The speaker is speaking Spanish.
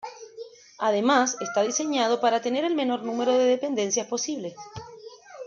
Además, está diseñado para tener el menor número de dependencias posible.